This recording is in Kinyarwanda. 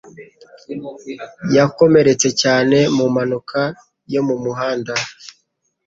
yakomeretse cyane mu mpanuka yo mu muhanda.